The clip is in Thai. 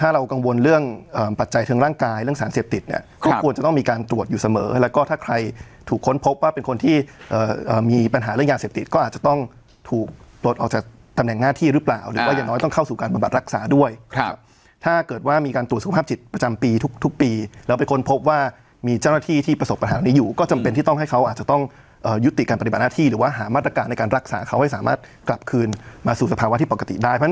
หรือเปล่าหรือว่าอย่างน้อยต้องเข้าสู่การประบัติรักษาด้วยถ้าเกิดว่ามีการตรวจสุขภาพจิตประจำปีทุกปีแล้วเป็นคนพบว่ามีเจ้าหน้าที่ที่ประสบปัญหานี้อยู่ก็จำเป็นที่ต้องให้เขาอาจจะต้องยุติการปฏิบัติหน้าที่หรือว่าหามาตรการในการรักษาเขาให้สามารถกลับคืนมาสู่สภาวะที่ปกติได้เพร